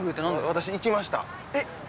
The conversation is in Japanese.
私行きましたえっ？